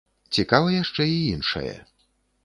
Цікава яшчэ і іншае.